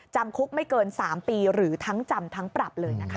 จำคุกไม่เกิน๓ปีหรือทั้งจำทั้งปรับเลยนะคะ